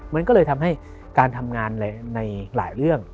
มันก็เลยทำให้การทำงานในหลายเรื่อง